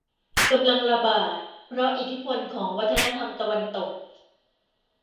กำลังระบาดเพราะอิทธิพลของวัฒนธรรมตะวันตก